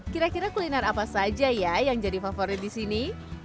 kira kira kuliner apa saja ya yang jadi favorit di sini